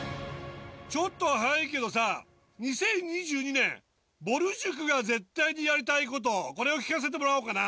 ちょっと早いけどさ２０２２年ぼる塾が絶対にやりたいことこれを聞かせてもらおうかな。